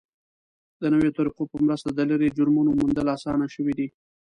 د نویو طریقو په مرسته د لرې جرمونو موندل اسانه شوي دي.